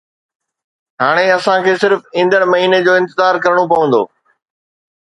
هاڻي اسان کي صرف ايندڙ مهيني جو انتظار ڪرڻو پوندو